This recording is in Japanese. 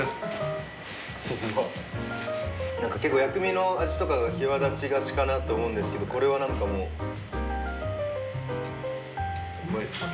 なんか結構薬味の味とかが際立ちがちかなと思うんですけどこれはなんかもううまいっす。